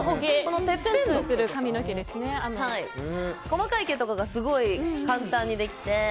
細かい毛とかがすごい簡単にできて。